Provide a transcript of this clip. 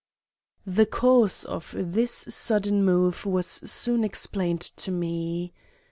The cause of this sudden move was soon explained to me.